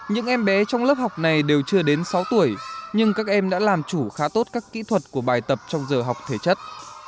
những em bé trong lớp học này đều chưa đến sáu tuổi nhưng các em đã làm chủ khá tốt các kỹ thuật của bài tập trong giờ học thể chất